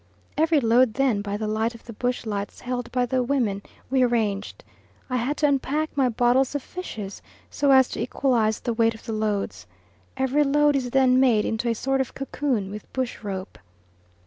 Every load then, by the light of the bush lights held by the women, we arranged. I had to unpack my bottles of fishes so as to equalise the weight of the loads. Every load is then made into a sort of cocoon with bush rope.